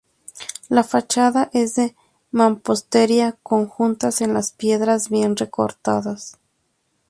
La fachada es de mampostería con juntas en las piedras bien recortadas.